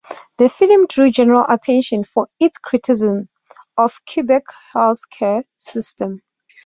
The film drew general attention for its criticism of Quebec's health care system.